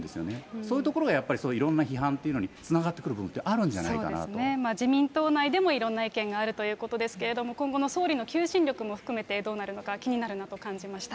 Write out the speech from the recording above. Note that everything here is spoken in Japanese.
そういうところがやっぱりいろんな批判というところにつながってくる部分ってあるんじゃないかなそうですね、自民党内でもいろんな意見があるということですけれども、今後の総理の求心力も含めてどうなるのか、気になるなと感じました。